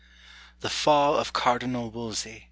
THE FALL OF CARDINAL WOLSEY.